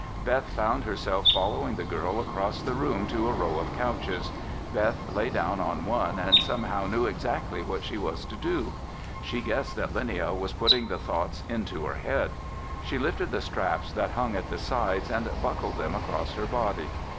Beth found herself following the girl across the room to a row of couches. Beth lay down on one and somehow knew exactly what she was to do. She guessed that Linnia was putting the thoughts into her head. She lifted the straps that hung at the sides and buckled them across her body.